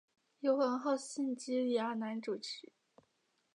由王浩信及李亚男主持。